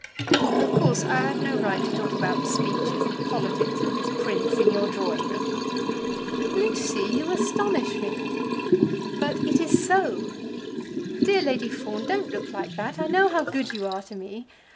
Of course I had no right to talk about speeches, and politics, and this prince in your drawing room." "Lucy, you astonish me." "But it is so. Dear Lady Fawn, don't look like that. I know how good you are to me.